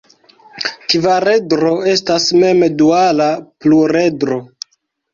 Kvaredro estas mem-duala pluredro.